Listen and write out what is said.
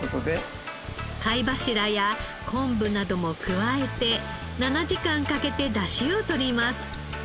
貝柱や昆布なども加えて７時間かけて出汁を取ります。